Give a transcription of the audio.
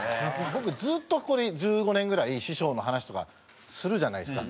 僕ずっとここで１５年ぐらい師匠の話とかするじゃないですか。